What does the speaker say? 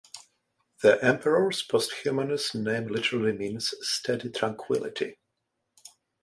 This emperor's posthumous name literally means "steady tranquillity".